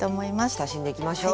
親しんでいきましょう。